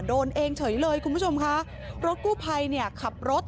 โดนเองเฉยเลยคุณผู้ชมค่ะรถกู้ภัยเนี่ยขับรถ